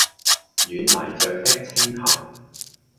軟泥上的青荇